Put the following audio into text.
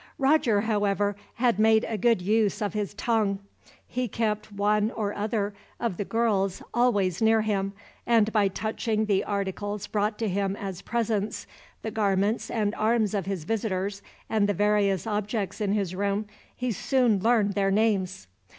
Roger, however, had made a good use of his tongue. He kept one or other of the girls always near him, and by touching the articles brought to him as presents, the garments and arms of his visitors, and the various objects in his room, he soon learned their names.